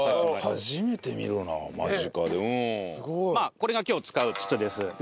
これが今日使う筒です。